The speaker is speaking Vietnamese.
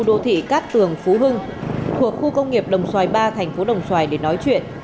đô thị cát tường phú hưng thuộc khu công nghiệp đồng xoài ba thành phố đồng xoài để nói chuyện